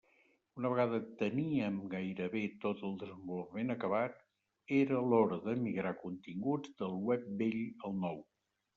Una vegada teníem gairebé tot el desenvolupament acabat, era l'hora de migrar continguts del web vell al nou.